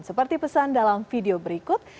seperti pesan dalam video berikut